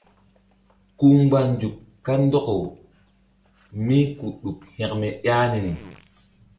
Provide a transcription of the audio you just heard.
Ku mgba nzuk kandɔkaw mí ke ɗuk hekme ƴah niri.